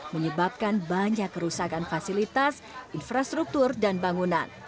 menyebabkan banyak kerusakan fasilitas infrastruktur dan bangunan